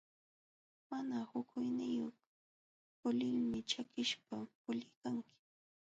Mana hukuyniyuq pulilmi ćhakisapa puliykanki.